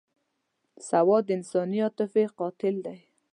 سود د انساني عاطفې قاتل دی.